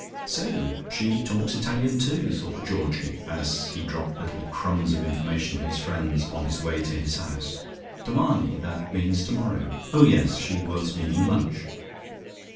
"So she talks Italian too," thought Georgie, as he dropped little crumbs of information to his friends on his way to his house. "Domani, that means tomorrow. Oh yes; she was meaning lunch."